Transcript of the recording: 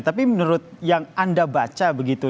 tapi menurut yang anda baca begitu